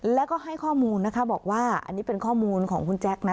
แล้วก็ให้ข้อมูลนะคะบอกว่าอันนี้เป็นข้อมูลของคุณแจ๊คนะ